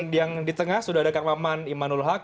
dan yang di tengah sudah ada kak maman imanul haq